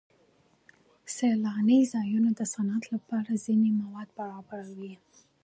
سیلاني ځایونه د صنعت لپاره ځینې مواد برابروي.